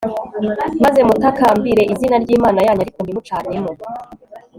maze mutakambire izina ryimana yanyu ariko ntimucanemo